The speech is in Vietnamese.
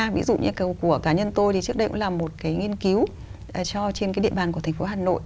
ví dụ như của cá nhân tôi thì trước đây cũng là một cái nghiên cứu cho trên cái địa bàn của thành phố hà nội